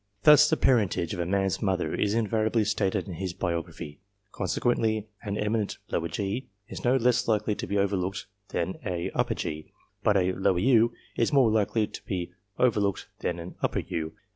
Thus the parentage of a man's mother is invariably stated in his biography ; con sequently, an eminent g. is no less likely to be overlooked than a G. ; but a u. is more likely to be overlooked than a U.